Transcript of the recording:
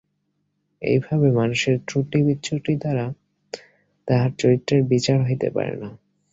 এইভাবে মানুষের ত্রুটিবিচ্যুতি দ্বারা তাহার চরিত্রের বিচার হইতে পারে না।